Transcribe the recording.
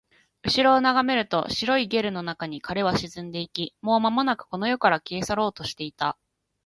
後ろを眺めると、白いゲルの中に彼は沈んでいき、もうまもなくこの世から消え去ろうとしていた